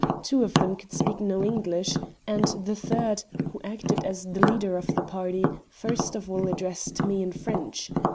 Two of them could speak no English, and the third, who acted as the leader of the party, first of all addressed me in French.